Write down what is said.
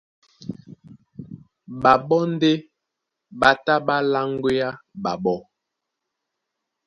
Ɓaɓɔ́ ndé ɓá tá ɓá láŋgwea ɓaɓó.